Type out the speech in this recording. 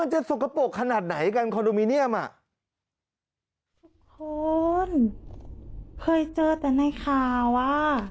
จะสกปรกขนาดไหนกันคอนโดมิเนียมอ่ะทุกคนเคยเจอแต่ในข่าวอ่ะ